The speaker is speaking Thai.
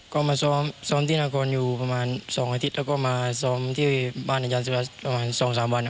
ก็มาซ้อมที่นาคอนอยู่ประมาณ๒อาทิตย์แล้วก็มาซ้อมที่บ้านอาจารย์สุวัสประมาณ๒๓วัน